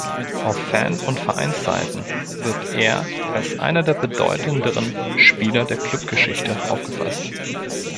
Auf Fan- und Vereinsseiten wird er als einer der bedeutenderen Spieler der Klubgeschichte aufgefasst.